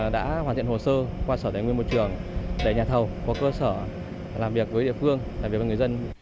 đã hoàn thiện hồ sơ qua sở tài nguyên môi trường để nhà thầu có cơ sở làm việc với địa phương làm việc với người dân